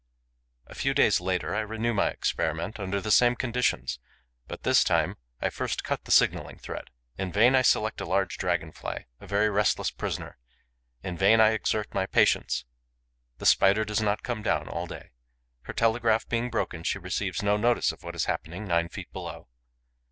A few days later, I renew my experiment under the same conditions, but, this time, I first cut the signalling thread. In vain I select a large Dragon fly, a very restless prisoner; in vain I exert my patience: the Spider does not come down all day. Her telegraph being broken, she receives no notice of what is happening nine feet below.